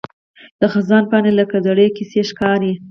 د خزان پاڼې لکه زړې کیسې ښکاري